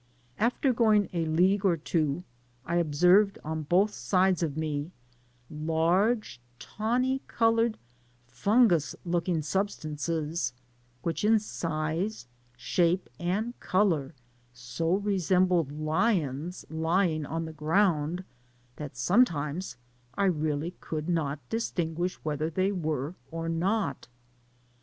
After gmng a league or two, I observed on both sides of me large tawny* coloured fungus looking substances, which in size, shape, and colour, so resembled lions lying on the ground, that sometimes I really could not distin guish whether they were or not.